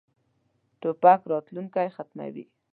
توپک راتلونکی ختموي.